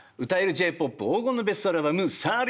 Ｊ−ＰＯＰ黄金のベストアルバム３０Ｍ」